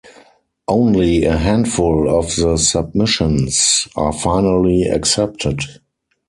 Only a handful of the submissions are finally accepted.